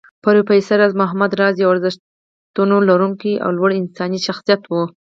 پروفېسر راز محمد راز يو ارزښتونه لرونکی او لوړ انساني شخصيت و